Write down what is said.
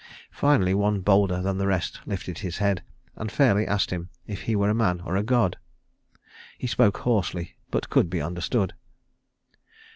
Finally one bolder than the rest lifted his head, and fairly asked him if he were a man or a God. He spoke hoarsely, but could be understood.